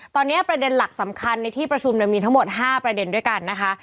ตอนนี้ประเด็นหลักสำคัญในที่ประชุมมีทั้งหมด๕ประเด็นด้วยกันนะคะ